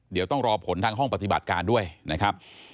เดี๋ยวต้องรอผลทางห้องปฏิบัติการด้วยนะครับ